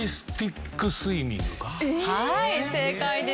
はい正解です。